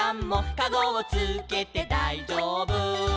「かごをつけてだいじょうぶ」